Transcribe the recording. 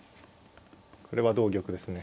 これは同玉ですね。